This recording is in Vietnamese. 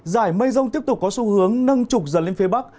giải mây rông tiếp tục có xu hướng nâng trục dần lên phía bắc